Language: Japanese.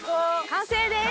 完成です！